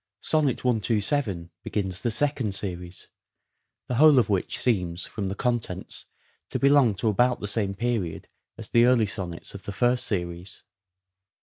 Sonnet 127 begins the second series, the whole of which seems from the contents to belong to about the same period as the early sonnets of the first series.